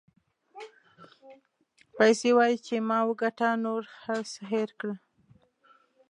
پیسې وایي چې ما وګټه نور هر څه هېر کړه.